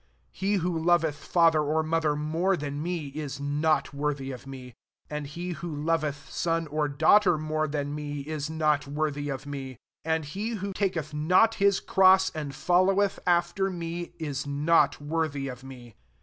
37 He who Ipveth father or mo ther more than me, is not wor thy of me : and he who loveth son or daughter more than me, is not worthy of me. 38 And he who taketh not his cross, and follow eth after me, is not worthy of me.